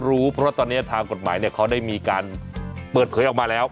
ต้องรู้เพราะว่าตอนนี้ทางกฎหมายเนี่ยเขาได้มีการเปิดเคยออกมาแล้ว